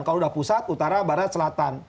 kalau sudah pusat utara barat selatan